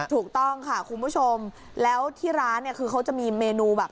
ถูกต้องค่ะคุณผู้ชมแล้วที่ร้านเนี่ยคือเขาจะมีเมนูแบบ